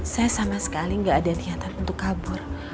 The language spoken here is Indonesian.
saya sama sekali nggak ada niatan untuk kabur